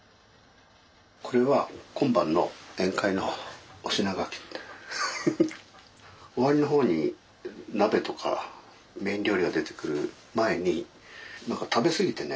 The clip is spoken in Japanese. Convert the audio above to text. これは終わりの方に鍋とか麺料理が出てくる前になんか食べ過ぎてね